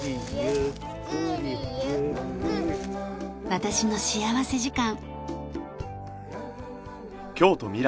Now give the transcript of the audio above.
『私の幸福時間』。